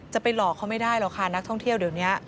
จะไปหลอกเขาไม่ได้หรอกค่ะนักท่องเที่ยวเดี๋ยวนี้